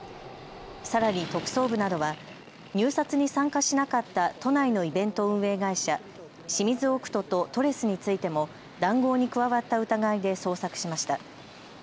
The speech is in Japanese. さらに特捜部などは入札に参加しなかった都内のイベント運営会社、シミズオクトとトレスについても談合に加わった疑いで捜索しました。